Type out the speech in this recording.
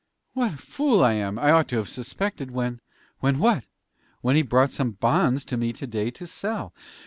"What a fool I am! I ought to have suspected when " "When what?" "When he brought some bonds to me to day to sell."